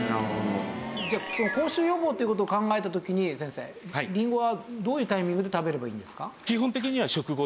じゃあ口臭予防っていう事を考えた時に先生りんごはどういうタイミングで食べればいいんですか？